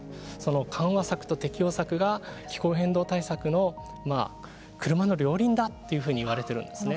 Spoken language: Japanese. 緩和策と適応策が気候変動対策の車の両輪だというふうに言われているんですね。